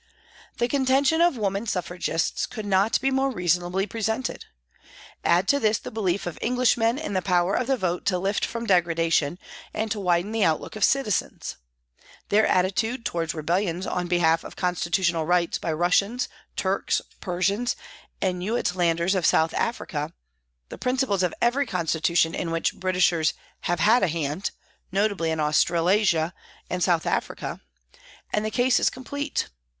The contention of woman Suffragists could not be more reasonably presented. Add to this the belief of Englishmen in the power of the vote to lift from degradation and to widen the out look of citizens ; their attitude towards rebellions on behalf of constitutional rights by Russians, Turks, Persians, and Uitlanders of South Africa ; the principles of every constitution in which Britishers have had a hand, notably in Australasia and South Africa, and the case is complete.